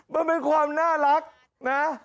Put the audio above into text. มันเป็นความน่ารักนะ